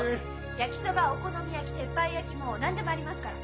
焼きそばお好み焼き鉄板焼きもう何でもありますから。